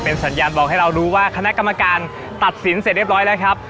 สัญญาณบอกให้เรารู้ว่าคณะกรรมการตัดสินเสร็จเรียบร้อยแล้วครับ